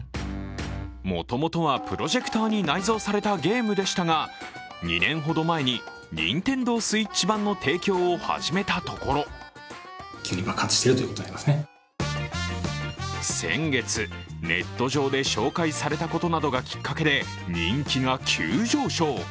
もともとはプロジェクターに内蔵されたゲームでしたが２年ほど前にＮｉｎｔｅｎｄｏＳｗｉｔｃｈ版の提供を始めたところ先月、ネット上で紹介されたことなどがきっかけで、人気が急上昇。